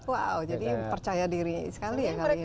wow jadi percaya diri sekali ya kali ini